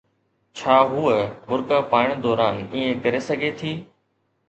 ڇا هوءَ برقع پائڻ دوران ائين ڪري سگهي ٿي؟